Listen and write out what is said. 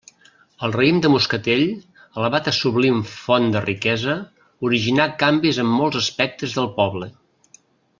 El raïm de moscatell, elevat a sublim font de riquesa, originà canvis en molts aspectes del poble.